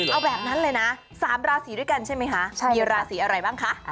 เอาแบบนั้นเลยนะ๓ราศีด้วยกันใช่ไหมคะมีราศีอะไรบ้างคะ